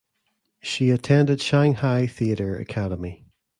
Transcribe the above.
She attended Shanghai Theatre Academy.